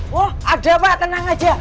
wah ada pak tenang aja